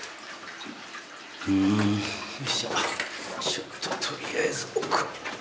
ちょっととりあえず奥。